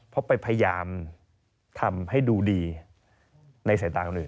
เพราะไปพยายามทำให้ดูดีในสายตาคนอื่น